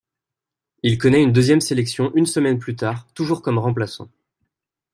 Il connaît une deuxième sélection une semaine plus tard toujours comme remplaçant.